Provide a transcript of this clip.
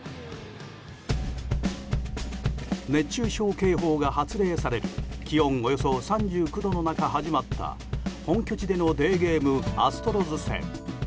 熱中症警報が発令される気温およそ３９度の中始まった、本拠地でのデーゲームアストロズ戦。